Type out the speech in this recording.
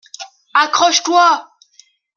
Accroche-toi